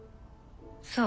そう。